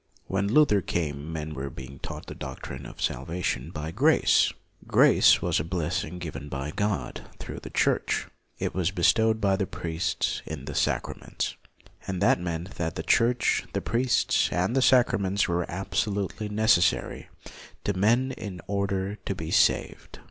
When Luther came, men were being taught the doctrine of salvation by grace. Grace was a blessing given by God through the Church. It was bestowed by the priests in the sacraments. And that meant that the Church, the priests, and the sacraments were absolutely necessary to men in order to be saved.